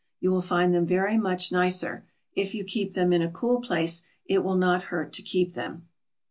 You will find them very much nicer; if you keep them in a cool place it will not hurt to keep them.